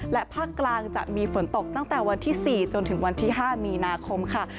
และภาคกลางจะมีฝนตกตั้งแต่วันที่๔จนถึงวันที่๕มีนาคมค่ะ